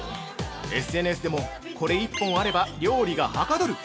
ＳＮＳでも「これ１本あれば料理がはかどる！」